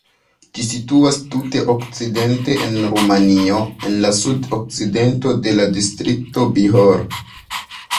Ĝi situas tute okcidente en Rumanio, en la sud-okcidento de la distrikto Bihor.